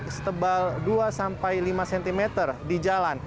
karena ada debu vulkanik setebal dua lima cm di jalan